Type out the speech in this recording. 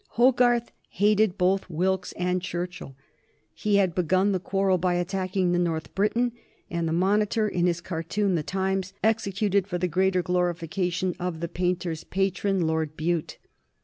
Hogarth hated both Wilkes and Churchill. He had begun the quarrel by attacking the North Briton and the Monitor in his cartoon "The Times," executed for the greater glorification of the painter's patron, Lord Bute.